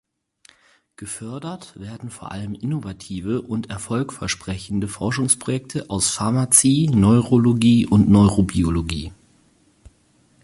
Gefördert werden vor allem innovative und erfolgversprechende Forschungsprojekte aus Pharmazie, Neurologie und Neurobiologie.